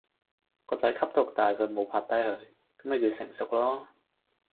個仔吸毒但係佢無拍低佢，咁咪叫成熟囉